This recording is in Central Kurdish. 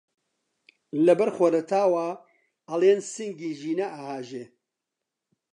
لەبەر خۆرەتاوا ئەڵێی سینگی ژینە ئەهاژێ